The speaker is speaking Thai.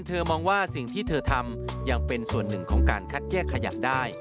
มองว่าสิ่งที่เธอทำยังเป็นส่วนหนึ่งของการคัดแยกขยะได้